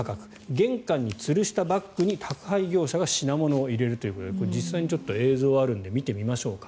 玄関につるしたバッグに宅配業者が品物を入れるということでこれは実際に映像があるので見てみましょうか。